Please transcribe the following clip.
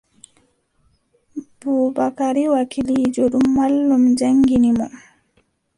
Bubakari wakiiliijo, ɗum mallum jaŋngini mo.